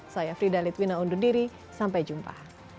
saya frida litwina undur diri sampai jumpa